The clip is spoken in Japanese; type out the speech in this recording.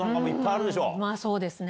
まぁそうですね。